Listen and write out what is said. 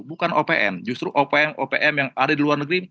bukan opm justru opm opm yang ada di luar negeri